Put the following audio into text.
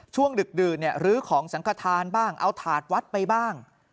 ดึกดื่นลื้อของสังขทานบ้างเอาถาดวัดไปบ้าง